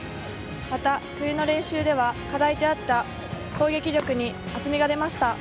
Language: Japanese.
また冬の練習では、課題であった攻撃力に厚みが出ました。